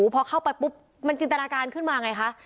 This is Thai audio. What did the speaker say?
พอเข้าไปปุ๊บมันจินตนาการขึ้นมาไงคะ